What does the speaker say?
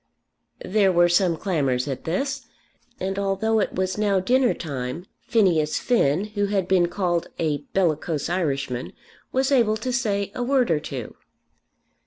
There were some clamours at this; and although it was now dinner time Phineas Finn, who had been called a bellicose Irishman, was able to say a word or two.